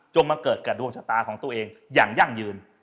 มาเกิดกับดวงชะตาของตัวเองอย่างยั่งยืน